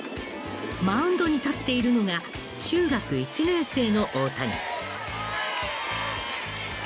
マウンドに立っているのが中学１年生の大谷。